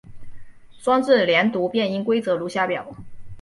双字连读变音规则如下表。